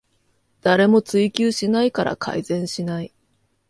誰も追及しないから改善しない